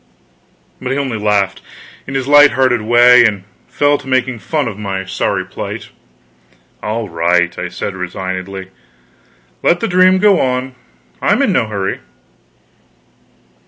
But he only laughed, in his light hearted way, and fell to making fun of my sorry plight. "All right," I said resignedly, "let the dream go on; I'm in no hurry."